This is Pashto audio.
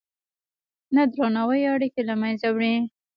نه درناوی اړیکې له منځه وړي.